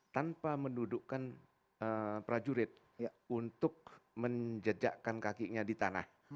tanpa mendudukkan prajurit untuk menjejakkan kakinya di tanah